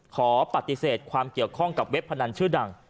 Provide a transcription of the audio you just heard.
ขอปฏิเสธความเกี่ยวข้องกับเว็บพนันชื่อดัง